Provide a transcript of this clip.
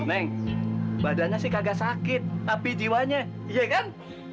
neng badannya sih kagak sakit api jiwanya iya kan